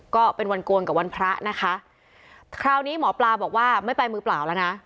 ก็เป็นวันโกนกับวันพระนะคะคราวนี้หมอปลาบอกว่าไม่ไปมือเปล่าแล้วนะ